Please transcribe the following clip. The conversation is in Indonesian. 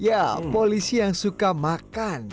ya polisi yang suka makan